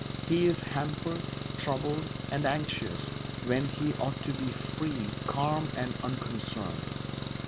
He is hampered, troubled, and anxious when he ought to be free, calm, and unconcerned.